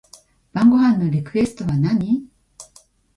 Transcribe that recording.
晩ご飯のリクエストは何